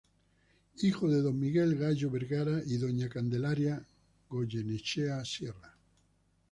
Hijo de don Miguel Gallo Vergara y doña Candelaria Goyenechea Sierra.